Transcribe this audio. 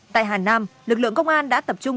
tại hà nam lực lượng công an đã tập trung